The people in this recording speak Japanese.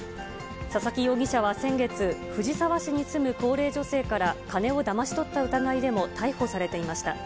佐々木容疑者は先月、藤沢市に住む高齢女性から金をだまし取った疑いでも逮捕されていました。